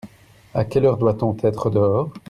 À quelle heure doit-on être dehors ?